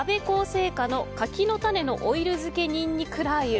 製菓の柿の種のオイル漬けにんにくラー油。